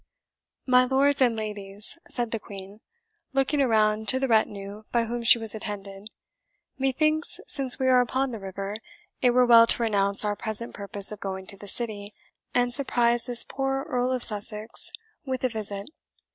"My lords and ladies," said the Queen, looking around to the retinue by whom she was attended, "methinks, since we are upon the river, it were well to renounce our present purpose of going to the city, and surprise this poor Earl of Sussex with a visit.